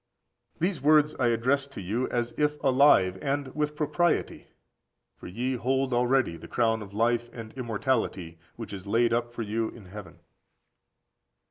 These words I address to you as if alive, and with propriety. For ye hold already the crown of life and immortality which is laid up for you in heaven.